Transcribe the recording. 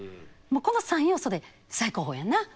もうこの３要素で最高峰やんな。